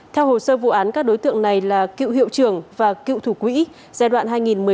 theo hồ sơ vụ án các đối tượng này là cựu hiệu trưởng và cựu thủ quỹ giai đoạn hai nghìn một mươi sáu hai nghìn một mươi bảy